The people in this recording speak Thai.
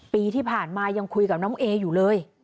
ปีที่ผ่านมายังคุยกับน้องเออยู่เลย